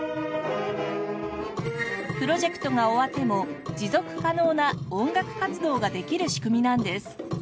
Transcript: プロジェクトが終わっても持続可能な音楽活動ができる仕組みなんです。